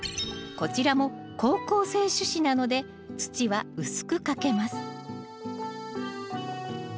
こちらも好光性種子なので土は薄くかけます